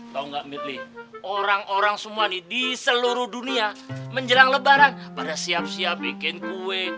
tau gak midly orang orang semua nih di seluruh dunia menjelang lebaran pada siap siap bikin kue